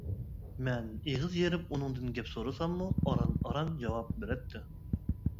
مەن ئېغىز يېرىپ ئۇنىڭدىن گەپ سورىساممۇ، ئاران-ئاران جاۋاب بېرەتتى.